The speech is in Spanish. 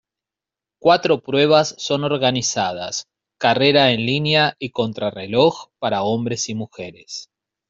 Cuatro pruebas son organizadas: carrera en línea y contrarreloj para hombres y mujeres.